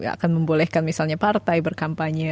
gak akan membolehkan misalnya partai berkampanye